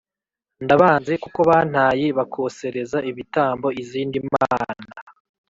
Ndabanze kuko bantaye bakosereza ibitambo izindi mana